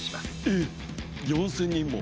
えっ４，０００人も。